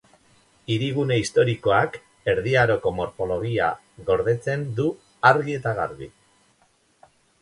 Hirigune historikoak Erdi Aroko morfologia gordetzen du argi eta garbi.